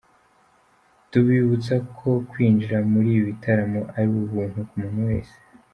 Tubibutse ko kwinjira muri ibi bitaramo ari ubuntu ku muntu wese.